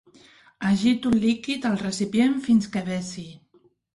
Agito el líquid al recipient fins que vessi.